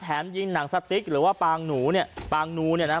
ยิงหนังสติ๊กหรือว่าปางหนูเนี่ยปางนูเนี่ยนะ